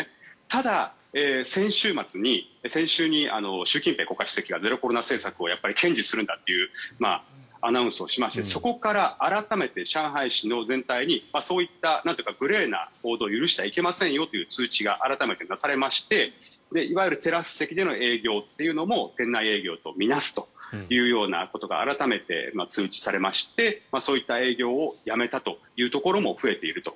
ただ、先週末に習近平国家主席がゼロコロナ政策をやっぱり堅持するんだというアナウンスをしましてそこから改めて上海市全体にグレーな行動を許してはいけませんよという通知が改めてなされましていわゆるテラス席での営業というのも店内営業と見なすということが改めて通知されましてそういった営業をやめたというところも増えていると。